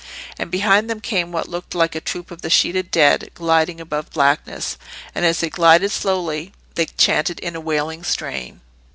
And behind them came what looked like a troop of the sheeted dead gliding above blackness. And as they glided slowly, they chanted in a wailing strain.